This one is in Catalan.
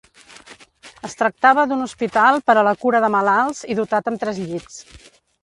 Es tractava d'un hospital per a la cura de malalts i dotat amb tres llits.